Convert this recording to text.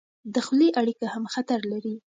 د خولې اړیکه هم خطر لري.